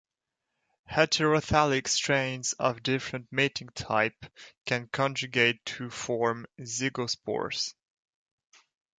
Heterothallic strains of different mating type can conjugate to form zygospores.